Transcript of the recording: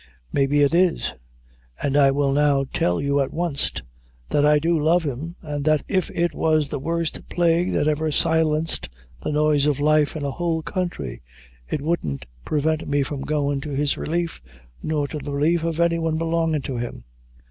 Maybe it is; an' I will now tell you at wanst, that I do love him, and that if it was the worst plague that ever silenced the noise of life in a whole country, it wouldn't prevent me from goin' to his relief, nor to the relief of any one belongin' to him."